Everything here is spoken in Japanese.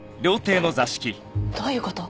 どういう事？